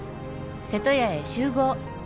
瀬戸屋へ集合！」